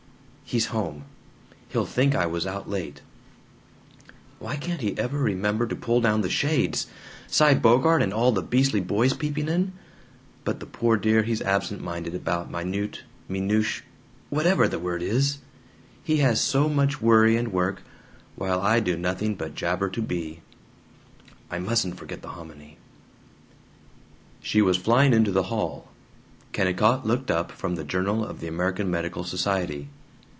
"He's home. He'll think I was out late. "Why can't he ever remember to pull down the shades? Cy Bogart and all the beastly boys peeping in. But the poor dear, he's absent minded about minute minush whatever the word is. He has so much worry and work, while I do nothing but jabber to Bea. "I MUSTN'T forget the hominy " She was flying into the hall. Kennicott looked up from the Journal of the American Medical Society.